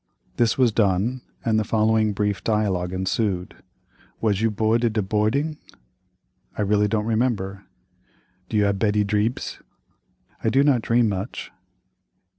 This was done, and the following brief dialogue ensued:— "Was you bord id the bording?" "I really don't remember." "Do you have beddy dreabs?" "I do not dream much."